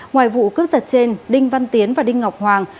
ngoài vụ cướp giật trên đinh văn tiến và đinh ngọc hoàng